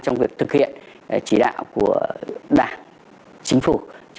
trong việc thực hiện chỉ đạo của đảng chính phủ